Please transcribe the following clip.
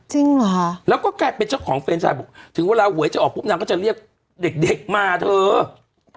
เหรอฮะแล้วก็กลายเป็นเจ้าของเฟรนชายบอกถึงเวลาหวยจะออกปุ๊บนางก็จะเรียกเด็กเด็กมาเถอะ